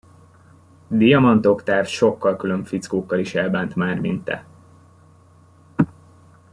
Diamant Oktáv sokkal különb fickókkal is elbánt már, mint te.